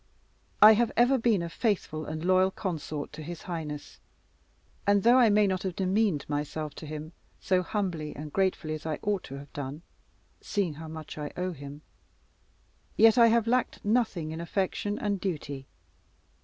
I have ever been a faithful and loyal consort to his highness, and though I may not have demeaned myself to him so humbly and gratefully as I ought to have done seeing how much I owe him yet I have lacked nothing in affection and duty.